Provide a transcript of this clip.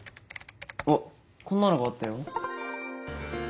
あっこんなのがあったよ。